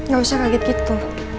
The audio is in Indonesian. gak usah kaget gitu